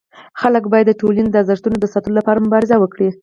خلک باید د ټولني د ارزښتونو د ساتلو لپاره مبارزه وکړي.